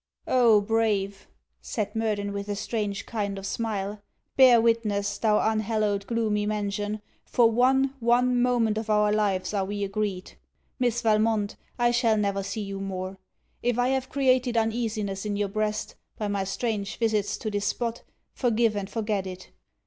'Oh brave!' said Murden with a strange kind of smile: 'bear witness, thou unhallowed gloomy mansion, for one, one moment of our lives are we agreed! Miss Valmont, I shall never see you more. If I have created uneasiness in your breast, by my strange visits to this spot, forgive and forget it.